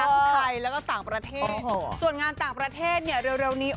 ทั้งไทยแล้วก็ต่างประเทศโอ้โหส่วนงานต่างประเทศเนี้ยเร็วเร็วนี้